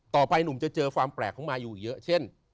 ต่อไปหนุ่มจะเจอความแปลกของมายูเยอะเช่น